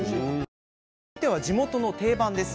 さあ続いては地元の定番です。